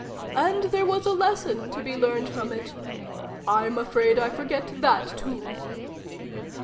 " And there was a lesson to be learned from it. I'm afraid I forget that, too."